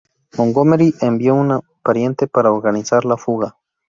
Montgomery envió a un pariente para organizar la fuga.